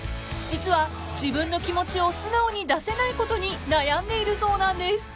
［実は自分の気持ちを素直に出せないことに悩んでいるそうなんです］